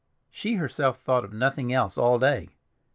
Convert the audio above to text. She herself thought of nothing else all day.